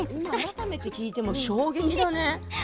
改めて聞いても衝撃だね。